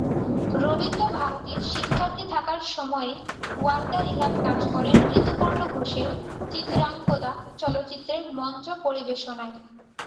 রবীন্দ্রভারতীর শিক্ষার্থী থাকার সময়েই ওয়ার্দা রিহাব কাজ করেন ঋতুপর্ণ ঘোষের চিত্রাঙ্গদা চলচ্চিত্রের মঞ্চপরিবেশনায়।